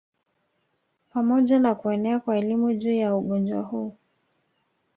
Pamoja na kuenea kwa elimu juu ya ugonjwa huu